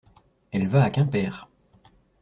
Elle va à Quimper.